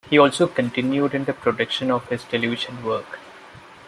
He also continued in the production of his television work.